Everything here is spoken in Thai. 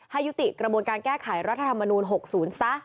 ให้ยุติกระบวนการแก้ไขรัฐธรรมนูญ๖ศูนย์ซะ